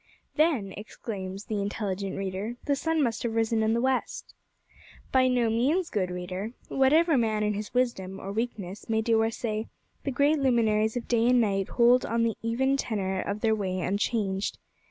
"Then," exclaims the intelligent reader, "the sun must have risen in the west!" By no means, good reader. Whatever man in his wisdom, or weakness, may do or say, the great luminaries of day and night hold on the even tenor of their way unchanged.